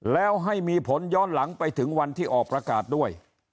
แล้วให้มีผลย้อนหลังไปถึงวันที่ออกประกาศด้วย